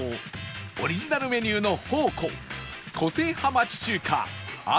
オリジナルメニューの宝庫個性派町中華あさひ